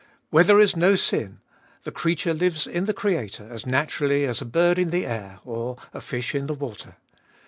Where there is no sin, the creature lives in the Creator as naturally as a bird in the air, or a fish in the water.